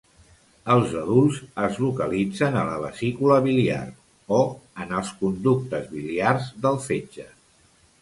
Els adults es localitzen a la vesícula biliar o en els conductes biliars del fetge.